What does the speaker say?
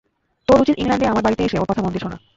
তোর উচিৎ ইংল্যান্ডে আমার বাড়িতে এসে ওর কথা মন দিয়ে শোনা।